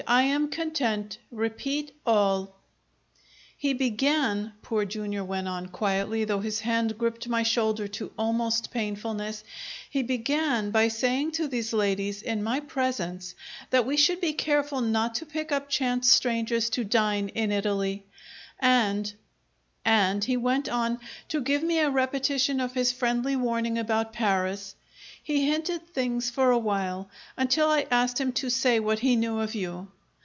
"I am content. Repeat all." "He began," Poor Jr. went on, quietly, though his hand gripped my shoulder to almost painfulness, "he began by saying to these ladies, in my presence, that we should be careful not to pick up chance strangers to dine, in Italy, and and he went on to give me a repetition of his friendly warning about Paris. He hinted things for a while, until I asked him to say what he knew of you.